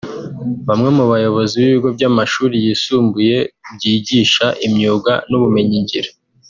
Bamwe mu bayobozi b’ibigo by’amashuri yisumbuye byigisha imyuga n’ubumenyingiro